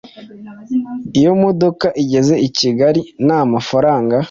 iyo modoka igeze i Kigali n amafaranga